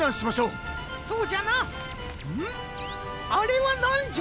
あれはなんじゃ？